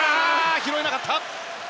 拾えなかった。